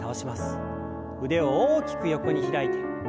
腕を大きく横に開いて。